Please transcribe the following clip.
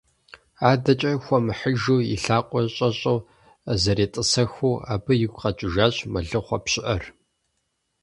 АдэкӀэ хуэмыхьыжу, и лъакъуэр щӀэщӀэу зэретӀысэхыу, абы игу къэкӀыжащ мэлыхъуэ пщыӀэр.